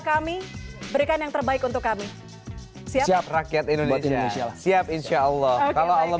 kami berikan yang terbaik untuk kami siap rakyat indonesia lah siap insyaallah kalau allah